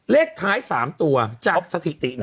เลขท้าย๓ตัวจบสถิตินะ